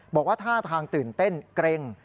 บอกว่าท่าทางตื่นเต้นเกร็ง